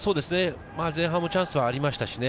前半もチャンスはありましたしね。